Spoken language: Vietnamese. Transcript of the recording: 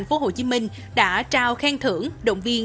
hồ chí minh đã trao khen thưởng động viên